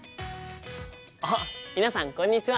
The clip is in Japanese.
あっ皆さんこんにちは！